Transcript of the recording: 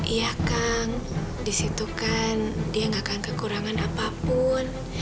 iya kang disitu kan dia gak akan kekurangan apapun